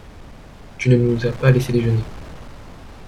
Tu ne nous as pas laissés déjeuner !